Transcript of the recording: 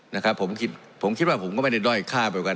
นะครับผมคิดผมคิดว่าผมก็ไม่ได้ด้อยค่าไปกัน